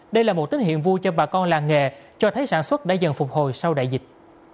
đây là một tín hiệu vui cho bà con làng nghề cho thấy sản xuất đã dần phục hồi sau đại dịch